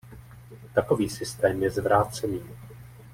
Takový systém je zvrácený.